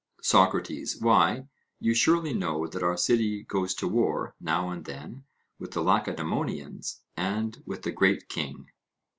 SOCRATES: Why, you surely know that our city goes to war now and then with the Lacedaemonians and with the great king?